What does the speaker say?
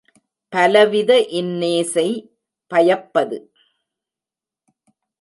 பலவித இன்னேசை பயப்பது.